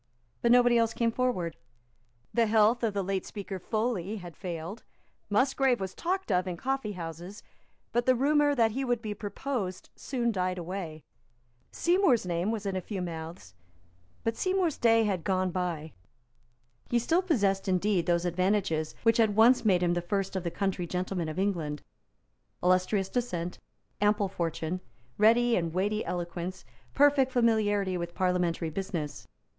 But nobody else came forward. The health of the late Speaker Foley had failed. Musgrave was talked of in coffeehouses; but the rumour that he would be proposed soon died away. Seymour's name was in a few mouths; but Seymour's day had gone by. He still possessed, indeed, those advantages which had once made him the first of the country gentlemen of England, illustrious descent, ample fortune, ready and weighty eloquence, perfect familiarity with parliamentary business.